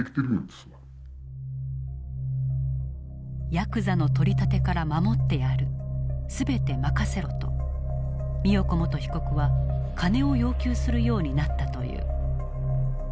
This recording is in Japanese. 「ヤクザの取り立てから守ってやる全て任せろ」と美代子元被告は金を要求するようになったという。